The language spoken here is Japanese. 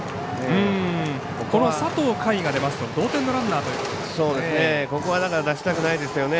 佐藤海が出ますと同点のランナーということになりますね。